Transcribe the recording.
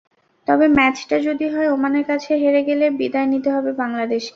তবে ম্যাচটা যদি হয়, ওমানের কাছে হেরে গেলে বিদায় নিতে হবে বাংলাদেশকে।